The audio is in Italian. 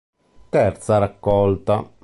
Terza raccolta.